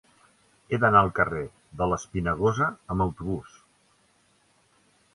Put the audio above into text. He d'anar al carrer de l'Espinagosa amb autobús.